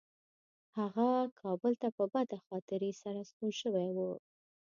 هغه کابل ته په بده خاطرې سره ستون شوی و.